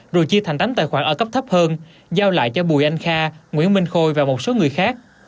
rồi chia thành tám tài khoản ở cấp thấp hơn giao lại cho bùi anh kha nguyễn minh khôi và một số người khác